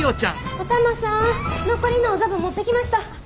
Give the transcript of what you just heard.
お玉さん残りのお座布持ってきました。